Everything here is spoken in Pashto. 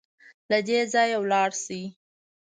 له دې ځايه ولاړ سئ